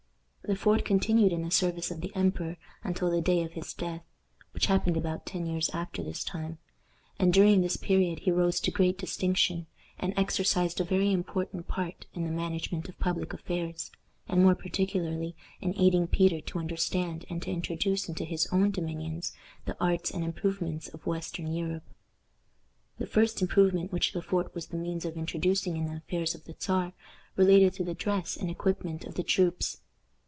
Le Fort continued in the service of the emperor until the day of his death, which happened about ten years after this time; and during this period he rose to great distinction, and exercised a very important part in the management of public affairs, and more particularly in aiding Peter to understand and to introduce into his own dominions the arts and improvements of western Europe. The first improvement which Le Fort was the means of introducing in the affairs of the Czar related to the dress and equipment of the troops.